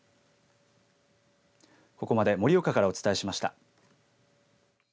ここまで盛岡からお伝えしました。